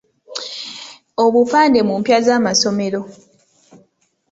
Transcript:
Obupande mu mpya z'amasomero.